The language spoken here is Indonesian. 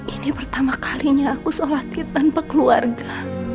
ini pertama kalinya aku sholat tanpa keluarga